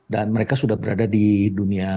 dan mereka sudah berada di dunia yang lain